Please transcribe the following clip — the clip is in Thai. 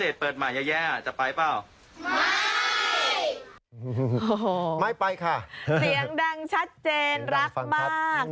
เสียงดังชัดเจนรักมาก